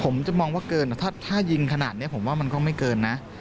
ผมจะมองว่าเกินถ้ายิงขนาดนี้ผมว่ามันก็ไม่เกินนะ